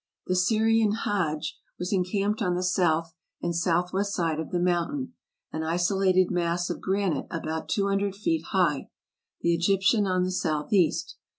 The Syrian Hadj was encamped on the south and south west side of the mountain, an isolated mass of granite about two hundred feet high, the Egyptian on the southeast.